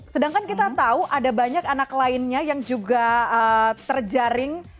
sedangkan kita tahu ada banyak anak lainnya yang juga terjaring ya kepolisian yang sampai sekarang mungkin tidak ada